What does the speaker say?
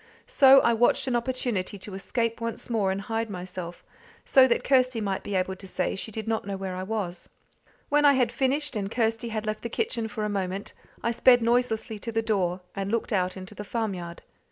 So I watched an opportunity to escape once more and hide myself, so that Kirsty might be able to say she did not know where I was. When I had finished, and Kirsty had left the kitchen for a moment, I sped noiselessly to the door, and looked out into the farmyard.